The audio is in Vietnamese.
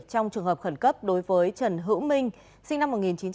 trong trường hợp khẩn cấp đối với trần hữu minh sinh năm một nghìn chín trăm tám mươi